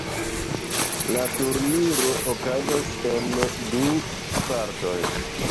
La turniro okazas en du partoj.